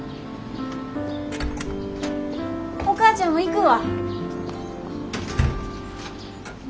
お母ちゃんも行くわ。